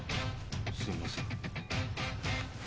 すいません。